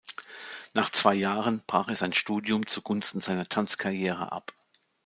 Nach zwei Jahren brach er sein Studium zugunsten seiner Tanzkarriere ab.